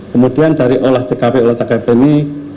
kemudian dari olah tkp olah tkp ini